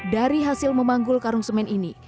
dari hasil memanggul karung semen ini